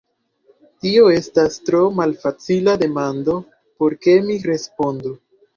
Tio estas tro malfacila demando por ke mi respondu.